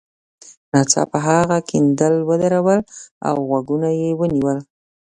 ناڅاپه هغه کیندل ودرول او غوږونه یې ونیول